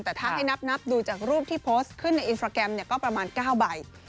แต่ถ้าให้นับดูจากรูปที่โพสต์ขึ้นในอินสตราแกรมก็ประมาณ๙ใบ